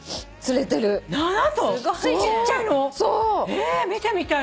えー見てみたい。